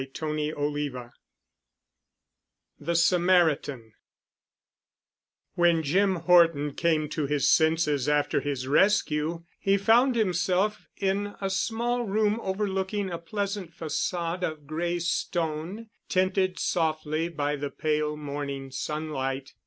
*CHAPTER X* *THE SAMARITAN* When Jim Horton came to his senses after his rescue, he found himself in a small room overlooking a pleasant façade of gray stone, tinted softly by the pale morning sunlight.